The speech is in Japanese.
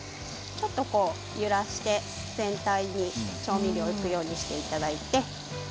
ちょっと揺らして全体に調味料がいくようにしていただいて。